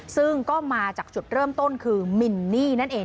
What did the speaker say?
ซึ่งก็มาจากจุดเริ่มต้นคือมินนี่นั่นเอง